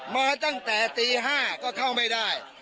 มาตั้งแต่ตี๕ก็เข้าไม่ได้